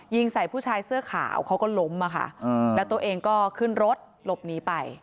ใส่ผู้ชายเสื้อขาวเขาก็ล้มอะค่ะแล้วตัวเองก็ขึ้นรถหลบหนีไป